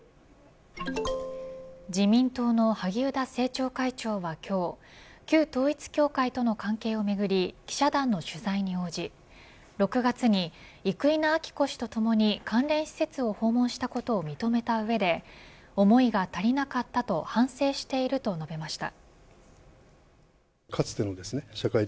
自民党の萩生田政調会長は今日旧統一教会との関係をめぐり記者団の取材に応じ６月に生稲晃子氏とともに関連施設を訪問したことを認めた上で思いが足りなかった、と反省していると述べました。